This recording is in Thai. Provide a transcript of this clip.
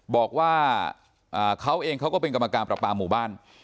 บอกว่าเขาเองเขาก็เป็นกรรมการประปาหมู่บ้าน